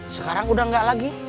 sekarang udah gak lagi